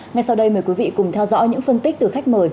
ngay sau đây mời quý vị cùng theo dõi những phân tích từ khách mời